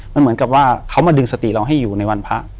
มันเหมือนกับว่าเขามาดึงสติเราให้อยู่ในวันพระ